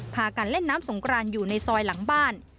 พากันเล่นน้ำสงกรานอยู่ในซอยหลังบ้าน